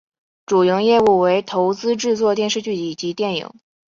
主营业务为投资制作电视剧以及电影。